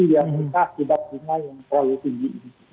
mereka tidak punya yang kaya tinggi